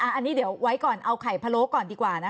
อันนี้เดี๋ยวไว้ก่อนเอาไข่พะโล้ก่อนดีกว่านะคะ